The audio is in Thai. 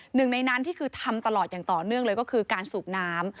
หนึ่งในนั้นที่คือทำตลอดอย่างต่อเนื่องเลยก็คือการสูบน้ำ